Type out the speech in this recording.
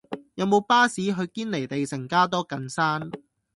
有無巴士去堅尼地城加多近山